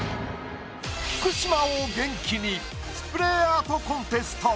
福島を元気にスプレーアートコンテスト。